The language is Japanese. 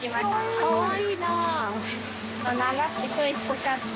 かわいい。